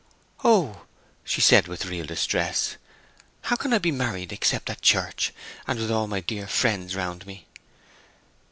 "Oh," said she, with real distress. "How can I be married except at church, and with all my dear friends round me?"